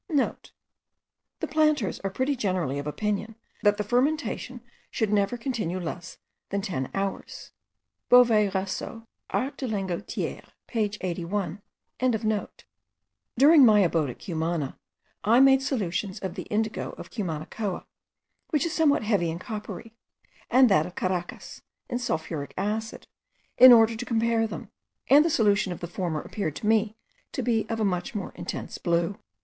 *(* The planters are pretty generally of opinion, that the fermentation should never continue less than ten hours. Beauvais Raseau, Art de l'Indigotier page 81.) During my abode at Cumana I made solutions of the indigo of Cumanacoa, which is somewhat heavy and coppery, and that of Caracas, in sulphuric acid, in order to compare them, and the solution of the former appeared to me to be of a much more intense blue.